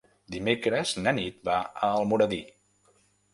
Dimecres na Nit va a Almoradí.